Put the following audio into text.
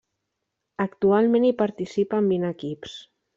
Actualment hi participen vint equips.